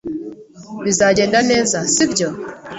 Bizagenda neza, sibyo?